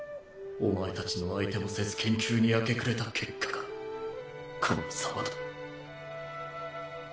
お前たちの相手もせず研究に明け暮れた結果がこのザマだ。